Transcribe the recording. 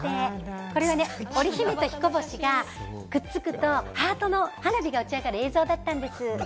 織姫と彦星がくっつくとハートの花火が打ち上がる映像だったんです。